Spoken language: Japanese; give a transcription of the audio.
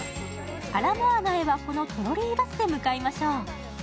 アラモアナへはこのトロリーバスで向かいましょう。